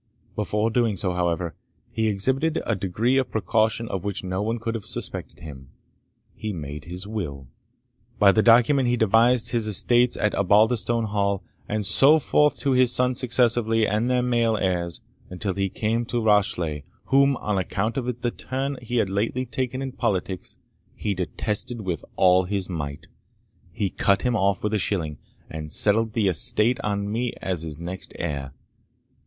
Before doing so, however, he exhibited a degree of precaution of which no one could have suspected him he made his will! By this document he devised his estates at Osbaldistone Hall, and so forth, to his sons successively, and their male heirs, until he came to Rashleigh, whom, on account of the turn he had lately taken in politics, he detested with all his might, he cut him off with a shilling, and settled the estate on me as his next heir.